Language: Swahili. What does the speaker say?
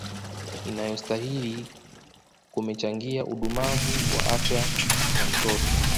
inayostahili kumechangia udumavu wa afyaya mtoto